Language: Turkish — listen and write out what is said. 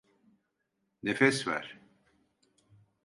Nefes ver.